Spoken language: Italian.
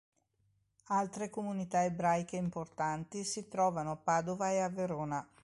Altre comunità ebraiche importanti si trovano a Padova e a Verona.